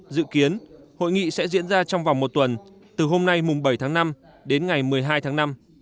dự kiến hội nghị sẽ diễn ra trong vòng một tuần từ hôm nay mùng bảy tháng năm đến ngày một mươi hai tháng năm